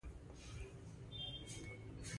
نجلۍ له خاموشۍ ژبه پوهېږي.